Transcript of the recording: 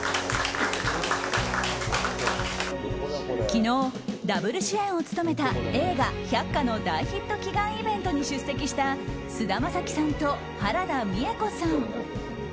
昨日、ダブル主演を務めた映画「百花」の大ヒット祈願イベントに出席した菅田将暉さんと原田美枝子さん。